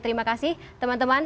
terima kasih teman teman